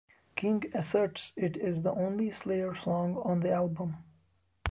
King asserts it is the only Slayer song on the album.